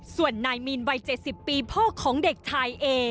ส่วนนายมีนวัย๗๐ปีพ่อของเด็กชายเอ